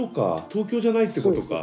東京じゃないってことか。